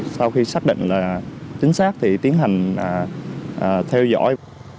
sau khi xác định là chính xác thì tiến hành theo dõi